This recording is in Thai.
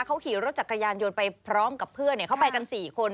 เขาขี่รถจักรยานยนต์ไปพร้อมกับเพื่อนเขาไปกัน๔คน